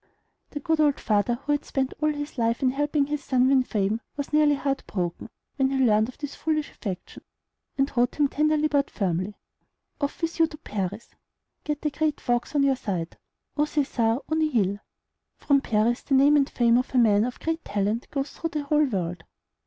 The good old father, who had spent all his life in helping his son to win fame, was nearly heart broken when he learned of this foolish affection, and wrote him tenderly but firmly: "Off with you to Paris; get the great folks on your side; aut Cæsar, aut nihil. From Paris, the name and fame of a man of great talent goes through the whole world."